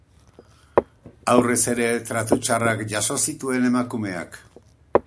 Aurrez ere tratu txarrak jaso zituen emakumeak.